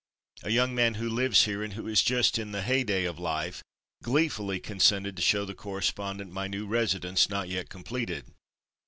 A young man who lives here and who is just in the heyday of life, gleefully consented to show the correspondent my new residence not yet completed.